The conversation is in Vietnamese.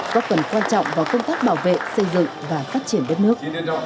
góp phần quan trọng vào công tác bảo vệ xây dựng và phát triển đất nước